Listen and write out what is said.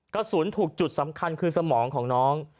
กระสุนถูกจุดสำคัญคือสมองของน้อง